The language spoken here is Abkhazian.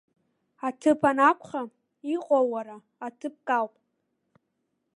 Аҭыԥ анакәха, иҟоу уара, ҭыԥк ауп.